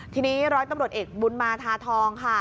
ทีนี้ร้อยตำรวจเอกบุญมาธาทองค่ะ